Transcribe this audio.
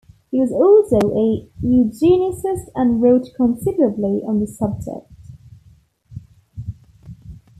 He was also a eugenicist and wrote considerably on the subject.